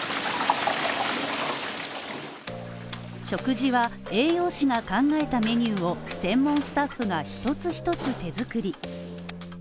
食事は栄養士が考えたメニューを専門スタッフが１つ１つ手作り。